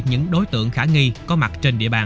những đối tượng khả nghi có mặt trên địa bàn